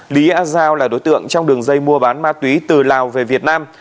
lý a giao là đối tượng trong đường dây mua bán ma túy từ lào về việt nam